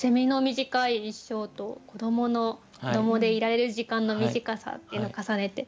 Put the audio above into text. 短い一生と子どもの子どもでいられる時間の短さっていうのを重ねて。